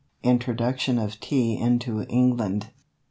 INTRODUCTION OF TEA INTO ENGLAND.